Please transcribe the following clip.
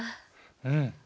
うん。